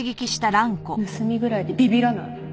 盗みぐらいでビビらない！